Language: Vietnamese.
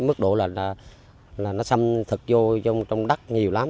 mức độ là nó xâm thực vô vô trong đất nhiều lắm